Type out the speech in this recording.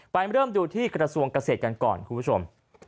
เริ่มดูที่กระทรวงเกษตรกันก่อนคุณผู้ชม